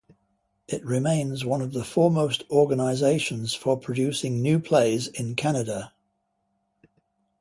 It remains one of the foremost organizations for producing new plays in Canada.